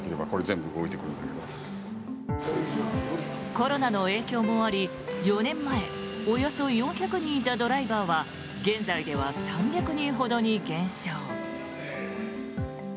コロナの影響もあり４年前およそ４００人いたドライバーは現在では３００人ほどに減少。